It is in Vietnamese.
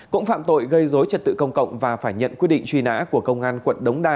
cũng phạm tội gây dối trật tự công cộng và phải nhận quyết định truy nã của công an quận đống đa